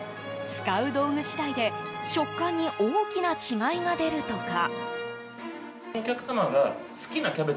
使う道具次第で食感に大きな違いが出るとか。